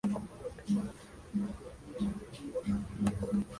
Sus intentos de matarlo fracasan, pero en el combate, Tetsuo pierde un brazo.